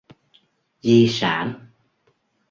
Di sản